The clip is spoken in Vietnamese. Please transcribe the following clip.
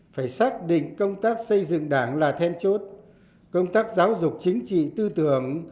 phải xác định công tác xây dựng đảng là then chốt công tác giáo dục chính trị tư tưởng